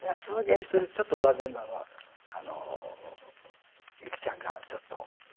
でも１人ちょっと残念なのはユキちゃんがちょっと。